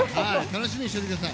楽しみにしといてください。